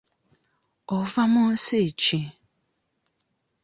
Ova mu nsi ki?